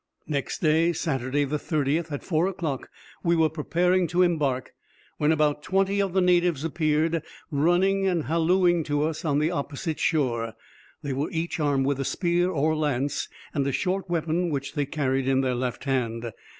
Next day, Saturday the 30th, at four o'clock, we were preparing to embark, when about twenty of the natives appeared, running and hallooing to us, on the opposite shore. They were each armed with a spear or lance, and a short weapon which they carried in their left hand.